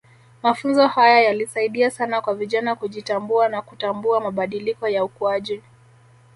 Mafunzo haya yalisaidia sana kwa vijana kujitambua na kutambua mabadiliko ya ukuaji